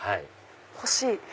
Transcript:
欲しい！